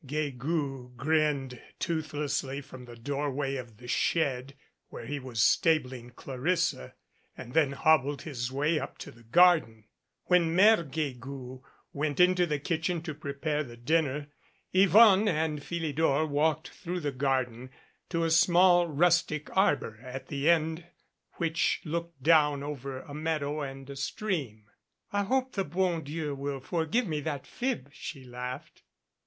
Guegou grinned toothlessly from the doorway of the shed where he was stabling Clarissa, and then hobbled his way up to the garden. When Mere Guegou went into the kitchen to prepare the dinner, Yvonne and Philidor walked through the gar den to a small rustic arbor at the end which looked down over a meadow and a stream. "I hope the bon Dieu will forgive me that fib," she laughed.